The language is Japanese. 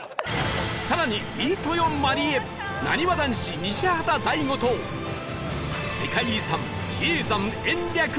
さらに飯豊まりえなにわ男子西畑大吾と世界遺産比叡山延暦寺へ